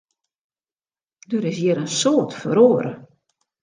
Der is hjir in soad feroare.